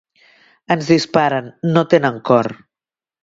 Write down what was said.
Ens disparen, no tenen cor.